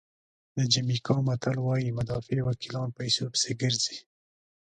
د جمیکا متل وایي مدافع وکیلان پیسو پسې ګرځي.